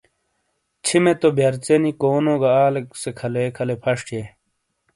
چھمے تو بیئرژ ینی کونو گہ آلیکسے کھلے کھلے فش تھئیے۔